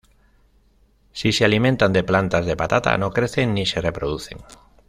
Si se alimentan de plantas de patata no crecen ni se reproducen.